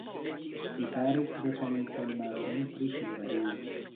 Li faris botanikan mapon pri Hungario.